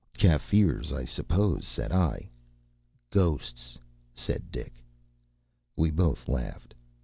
“Kaffirs, I suppose,” said I. “Ghosts,” said Dick. We both laughed.